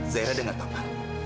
zahira dengan papa